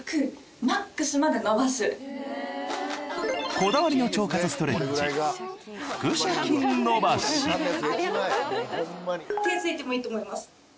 こだわりの腸活ストレッチ手ついてもいいと思います。